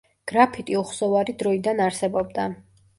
გრაფიტი უხსოვარი დროიდან არსებობდა.